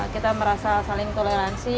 kita merasa saling toleransi